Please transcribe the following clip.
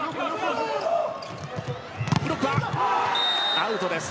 アウトです。